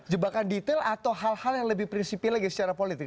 jebakan detail atau hal hal yang lebih prinsipil lagi secara politik